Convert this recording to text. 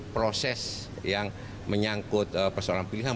proses yang menyangkut persoalan pilihan